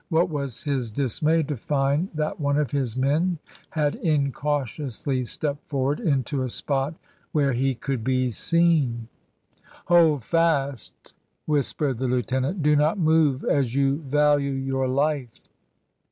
What was his dismay to find that one of his men had incautiously stepped forward into a spot where he could be seen. "Hold fast," whispered the Lieutenant, "do not move as you value your life."